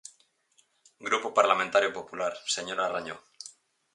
Grupo Parlamentario Popular, señora Rañó.